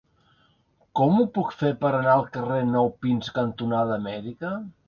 Com ho puc fer per anar al carrer Nou Pins cantonada Amèrica?